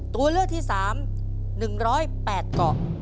ตัวเลือกที่๓๑๐๘เกาะ